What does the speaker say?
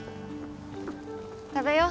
食べよう。